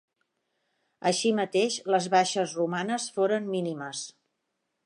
Així mateix, les baixes romanes foren mínimes.